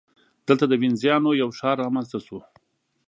دلته د وینزیانو یو ښار رامنځته شو.